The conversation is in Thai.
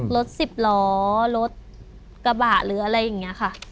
รถสิบล้อรถกระบะหรืออะไรอย่างนี้ค่ะ